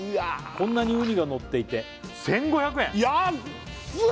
「こんなにウニがのっていて１５００円」安い！